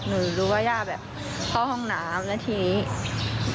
หนูรู้ว่าย่าแบบเข้าห้องน้ำแล้วทีนี้